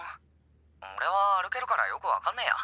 オレは歩けるからよく分かんねえや！